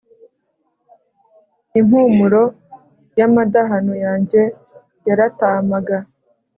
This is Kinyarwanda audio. Impumuro y’amadahano yanjye yaratāmaga.